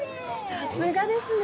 さすがですね。